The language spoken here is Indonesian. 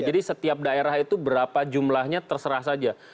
jadi setiap daerah itu berapa jumlahnya terserah saja